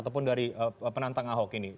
ataupun dari penantang ahok ini